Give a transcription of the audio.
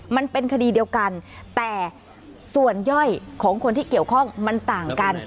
มันเป็นคดีเดียวกันแต่ส่วนย่อยของคนที่เกี่ยวข้องมันต่างกัน